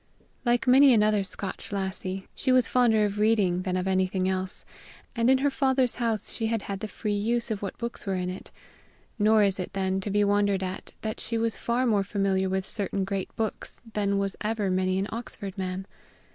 Like many another Scotch lassie, she was fonder of reading than of anything else; and in her father's house she had had the free use of what books were in it; nor is it, then, to be wondered at that she was far more familiar with certain great books than was ever many an Oxford man.